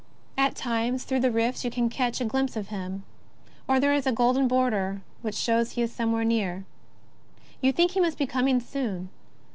"* At times, through the rifts, you catch a glimpse of him ; or there is a golden border which shows he is somewhere near. You think he must be coming soon.